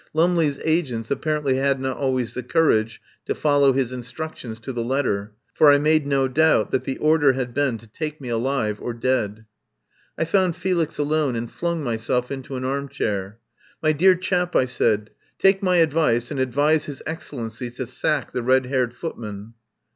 Lumley's agents apparently had not always the courage to follow his in structions to the letter, for I made no doubt that the order had been to take me alive or dead. I found Felix alone, and flung myself into an arm chair. "My dear chap," I said, "take my advice and advise His Excellency to sack the red haired footman."